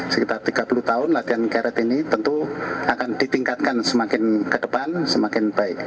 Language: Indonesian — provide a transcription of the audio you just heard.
sekitar tiga puluh tahun latihan karet ini tentu akan ditingkatkan semakin ke depan semakin baik